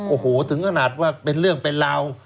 โอ้โหถึงขนาดว่าเป็นเรื่องเป็นราว